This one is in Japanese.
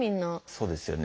そうですよね。